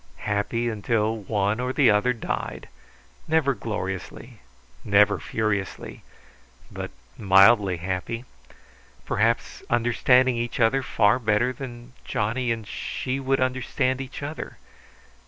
Happy until one or the other died; never gloriously, never furiously, but mildly happy; perhaps understanding each other far better than Johnny and she would understand each other.